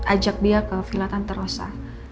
ajak dia ke vila tantarosa